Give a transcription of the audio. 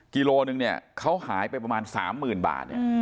กิโลกรัมนึงเขาหายไปประมาณ๓๐๐๐๐บาท